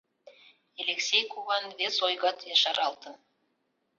Элексей куван вес ойгат ешаралтын.